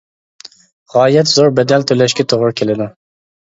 غايەت زور بەدەل تۆلەشكە توغرا كېلىدۇ.